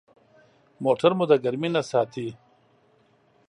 موټر مو د ګرمي نه ساتي.